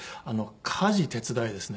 家事手伝いですね。